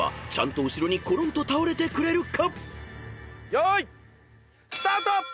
よーいスタート！